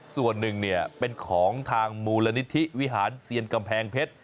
ส่วนหนึ่งเป็นของทางมูลนิธิวิหารเซียนกำแพงเพชร